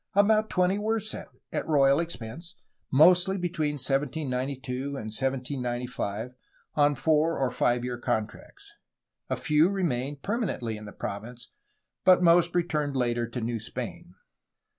About twenty were sent, at royal expense, mostly between 1792 and 1795, on four or five year contracts. A few remained permanently in the province, but most returned later to New Spain.